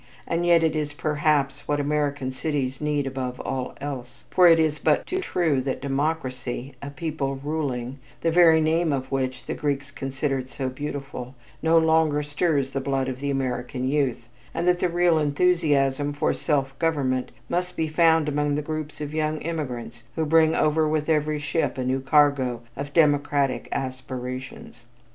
And yet it is, perhaps, what American cities need above all else, for it is but too true that Democracy "a people ruling" the very name of which the Greeks considered so beautiful, no longer stirs the blood of the American youth, and that the real enthusiasm for self government must be found among the groups of young immigrants who bring over with every ship a new cargo of democratic aspirations.